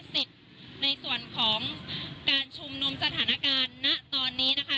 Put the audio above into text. ในส่วนของการชุมนุมสถานการณ์ณตอนนี้นะคะ